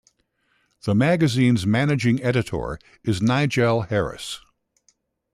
The magazine's Managing Editor is Nigel Harris.